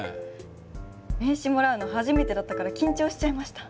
名刺もらうの初めてだったから緊張しちゃいました。